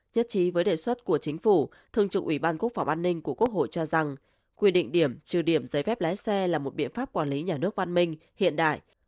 nhất trí với đề xuất của chính phủ thương trực ủy ban quốc phòng an ninh của quốc hội cho rằng quy định điểm trừ điểm giấy phép lái xe là một biện pháp quản lý nhà nước văn minh hiện đại